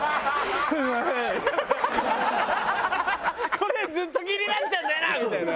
これずっと気になっちゃうんだよなみたいな。